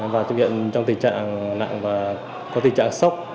và thực hiện trong tình trạng nặng và có tình trạng sốc